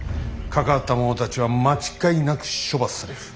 関わった者たちは間違いなく処罰される。